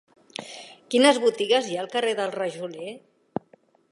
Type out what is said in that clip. Quines botigues hi ha al carrer del Rajoler?